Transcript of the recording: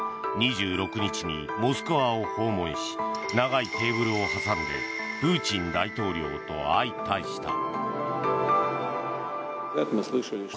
２６日にモスクワを訪問し長いテーブルを挟んでプーチン大統領と相対した。